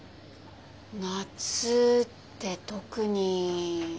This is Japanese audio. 夏って特に。